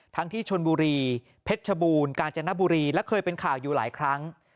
ที่ชนบุรีเพชรชบูรณ์กาญจนบุรีและเคยเป็นข่าวอยู่หลายครั้ง